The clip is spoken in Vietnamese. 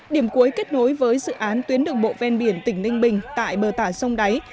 điểm cuối kết nối với dự án tuyến đường bộ ven biển tỉnh ninh bình tại bờ tả sông đáy